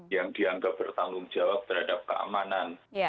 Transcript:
yang dianggap bertanggung jawab terhadap keamanan